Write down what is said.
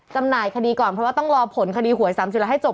จำหน่ายคดีก่อนเพราะว่าต้องรอผลคดีหวย๓๐ล้านให้จบ